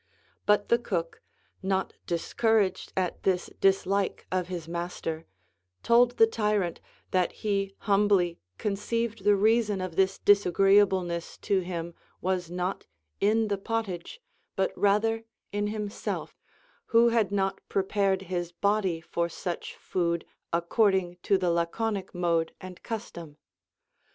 But the cook, not discouraged at this dis like of his master, told the tyrant that he humbly conceived the reason of this disagreeableness to him was not in the pottage, but rather in himself, who had not prepared his body for such food according to the Laconic mode and custom.